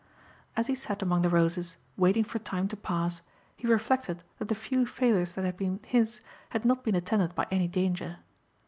As he sat among the roses waiting for time to pass he reflected that the few failures that had been his had not been attended by any danger.